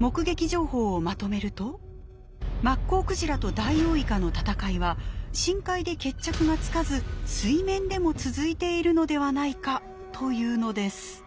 目撃情報をまとめるとマッコウクジラとダイオウイカの闘いは深海で決着がつかず水面でも続いているのではないかというのです。